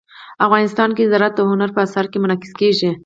افغانستان کې زراعت د هنر په اثار کې منعکس کېږي.